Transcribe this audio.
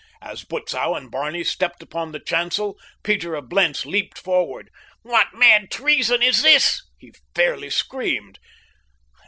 As Butzow and Barney stepped upon the chancel Peter of Blentz leaped forward. "What mad treason is this?" he fairly screamed.